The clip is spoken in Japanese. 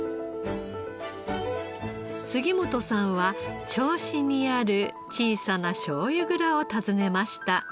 杉本さんは銚子にある小さなしょうゆ蔵を訪ねました。